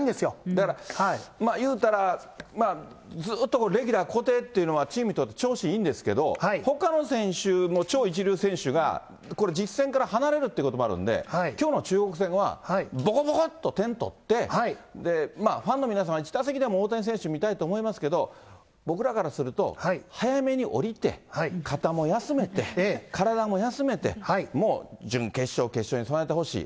だから、言うたら、ずっとレギュラー固定っていうのは、チームにとって調子いいんですけど、ほかの選手も超一流選手がこれ、実戦から離れるってことになるんで、きょうの中国戦はぼこぼこと点取って、ファンの皆さん、一打席でも大谷選手見たいと思いますけど、僕らからすると、早めに降りて、肩も休めて、体も休めて、もう準決勝、決勝に備えてほしい。